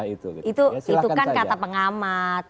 itu kan kata pengamat